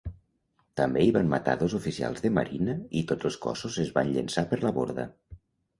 També hi van matar dos oficials de marina i tots els cossos es van llençar per la borda.